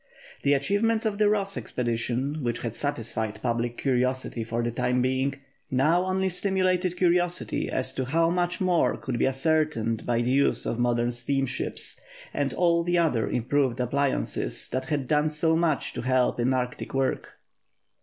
The achievements of the Ross expedition, which had satisfied public curiosity for the time being, now only stimulated curiosity as to how much more could be ascertained by the use of modern steamships and all the other improved appliances that had done so much to help in Arctic work.